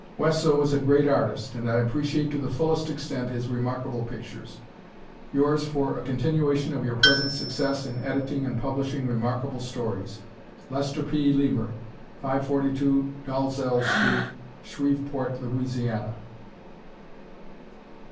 Wesso is a great artist and I appreciate to the fullest extent his remarkable pictures. Yours for a continuation of your present success in editing and publishing remarkable stories Lester P. Lieber, 542 Dalzell St., Shreveport, La.